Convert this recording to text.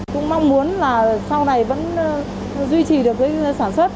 cũng mong muốn là sau này vẫn duy trì được cái sản xuất